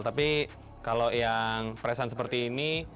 tapi kalau yang presan seperti ini